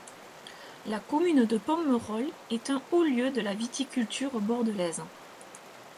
La commune de Pomerol est un haut lieu de la viticulture bordelaise.